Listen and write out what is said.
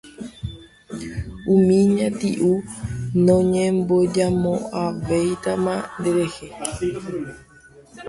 umi ñati'ũ noñembojamo'ãvéitama nderehe